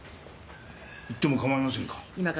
行っても構いませんか？